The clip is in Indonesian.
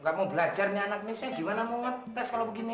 gak mau belajar nih anak ini saya gimana mau tes kalau begini